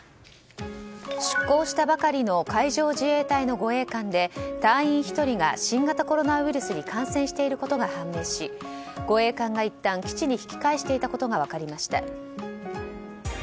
出航したばかりの海上自衛隊の護衛艦で隊員１人が新型コロナウイルスに感染していることが判明し護衛艦がいったん基地に引き返していたことが分かりました。